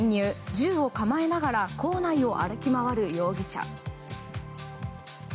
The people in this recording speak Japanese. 銃を構えながら校内を歩き回る容疑者。